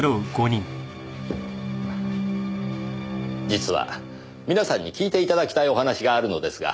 実は皆さんに聞いていただきたいお話があるのですが。